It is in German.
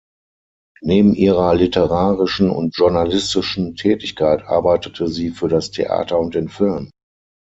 Neben ihrer literarischen und journalistischen Tätigkeit arbeitete sie für das Theater und den Film.